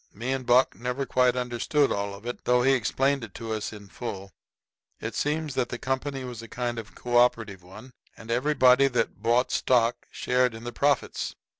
Me and Buck never quite understood all of it, though he explained it to us in full. It seems the company was a kind of cooperative one, and everybody that bought stock shared in the profits.